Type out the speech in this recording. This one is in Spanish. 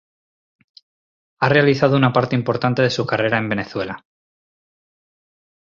Ha realizado una parte importante de su carrera en Venezuela.